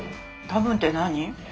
多分って何？